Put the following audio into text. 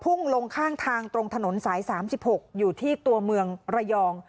่งลงข้างทางตรงถนนสาย๓๖อยู่ที่ตัวเมืองระยอง